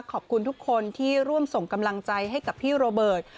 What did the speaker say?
ขอบคุณทุกคนที่ร่วมส่งกำลังใจให้กับพี่โรเบิร์ต